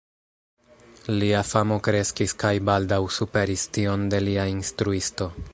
Lia famo kreskis kaj baldaŭ superis tion de lia instruisto.